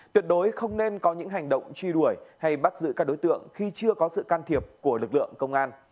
tuyệt đối không nên có những hành động truy đuổi hay bắt giữ các đối tượng khi chưa có sự can thiệp của lực lượng công an